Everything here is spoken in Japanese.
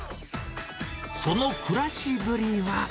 その暮らしぶりは。